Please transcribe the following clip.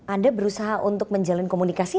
anda berusaha untuk menjalin komunikasi